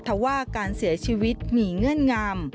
ถ้าว่าการเสียชีวิตมีเงื่อนงาม